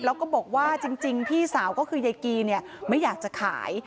แล้วก็บอกว่าจริงพี่สาวก็คือยายกีเนี่ยไม่อยากจะขาย